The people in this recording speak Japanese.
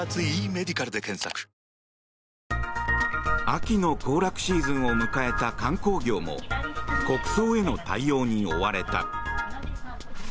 秋の行楽シーズンを迎えた観光業も国葬への対応に追われた。